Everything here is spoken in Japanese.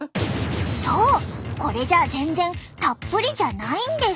そうこれじゃ全然たっぷりじゃないんです。